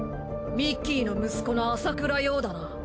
ミッキーの息子の麻倉葉だな。